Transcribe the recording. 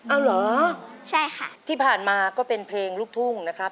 เอาเหรอใช่ค่ะที่ผ่านมาก็เป็นเพลงลูกทุ่งนะครับ